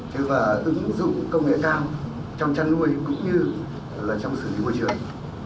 thứ ba ứng dụng công nghệ cao trong chăn nuôi cũng như trong xử lý môi trường